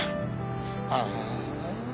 ああ。